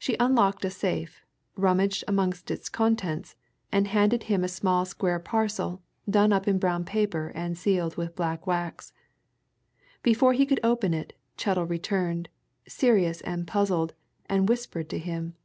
She unlocked a safe, rummaged amongst its contents, and handed him a small square parcel, done up in brown paper and sealed with black wax. Before he could open it, Chettle returned, serious and puzzled, and whispered to him.